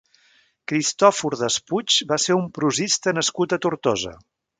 Cristòfor Despuig va ser un prosista nascut a Tortosa.